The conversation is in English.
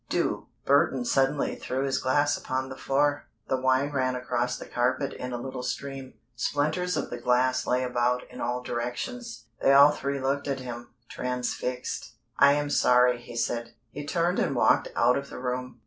Do!" Burton suddenly threw his glass upon the floor. The wine ran across the carpet in a little stream. Splinters of the glass lay about in all directions. They all three looked at him, transfixed. "I am sorry," he said. He turned and walked out of the room.